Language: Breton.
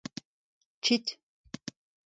kit.